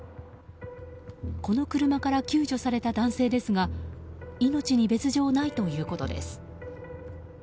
この車から救助された男性ですが命に別条ないということです。